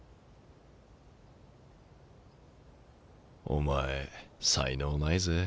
お前才能ないぜ。